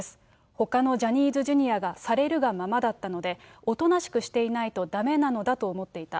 ほかのジャニーズＪｒ．がされるがままだったので、おとなしくしていないとだめなのだと思っていた。